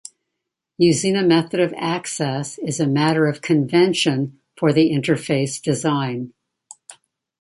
Using a method of access is a matter of convention for the interface design.